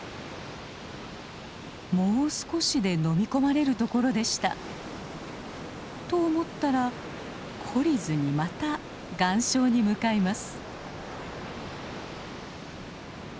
もう少しでのみ込まれるところでした。と思ったら懲りずにまた岩礁に向かいます。